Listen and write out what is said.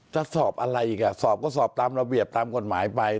จะสอบอะไรอีกสอบก็สอบตามระเบียบตามกฎหมายไป